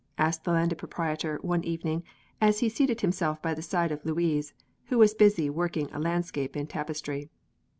asked the Landed Proprietor one evening, as he seated himself by the side of Louise, who was busy working a landscape in tapestry.